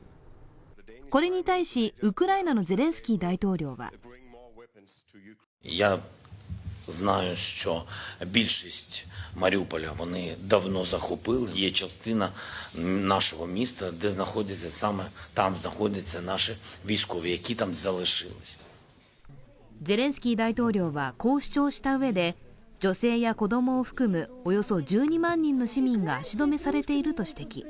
これに対し、ウクライナのゼレンスキー大統領はゼレンスキー大統領はこう主張したうえで女性や子供を含むおよそ１２万人の市民が足止めされていると指摘。